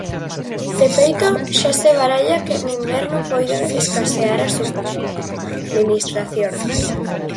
De feito, xa se baralla que en inverno poida escasear a subministración.